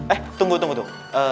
eh tunggu tunggu tunggu